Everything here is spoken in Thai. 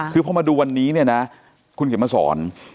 คือพอมาดูวันนี้เนี่ยนะคุณเขียนมาสอน